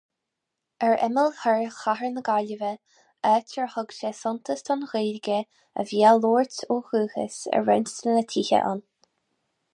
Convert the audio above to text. Ar imeall thoir chathair na Gaillimhe, áit ar thug sé suntas don Ghaeilge a bhí á labhairt ó dhúchas i roinnt de na tithe ann.